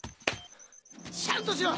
しゃんとしろ！